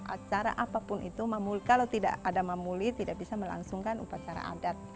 acara apapun itu kalau tidak ada mamuli tidak bisa melangsungkan upacara adat